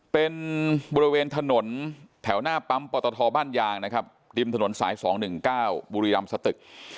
เป็นบริเวณถนนแถวหน้าปั๊มปตทบ้านยางนะครับริมถนนสาย๒๑๙บุรีรำสตึก